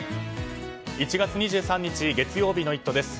１月２３日月曜日の「イット！」です。